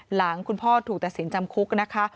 หลังคุณพ่อถูกตัดสินจำคุกนะคะ